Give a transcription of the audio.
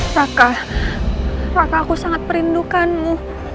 raka raka aku sangat perlindunganmu